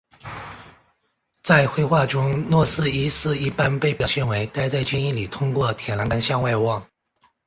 在绘画中若望一世一般被表现为待在监狱里通过铁栏杆向外望。